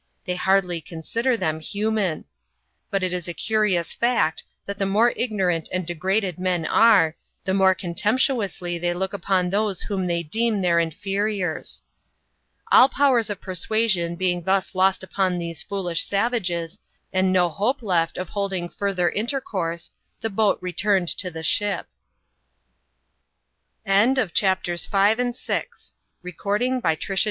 They hardly consider them human. But it is a curious fact, that the more ignorant and degraded men are, the more contemptuously they look up<Mi those whom they deem their inferiors. All powers of persuasion being thus lost upon these foolish savages, and no hope left of holding further intercourse, the boat returned to the shi